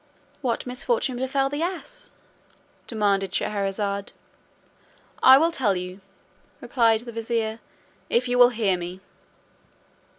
"What misfortune befell the ass?" demanded Scheherazade. "I will tell you," replied the vizier, "if you will hear me."